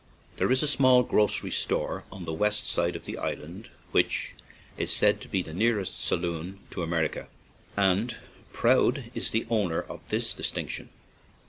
There is a small grocery store on the west side of the island which is said to be the nearest saloon to America, and proud is the owner of this distinc tion.